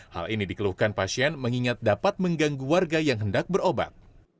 hal ini dikeluhkan pasien mengingat dapat mengganggu warga yang hendak berobat